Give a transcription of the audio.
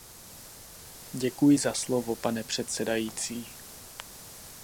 Děkuji za slovo, pane předsedající.